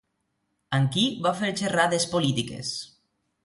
Amb qui va fer xerrades polítiques?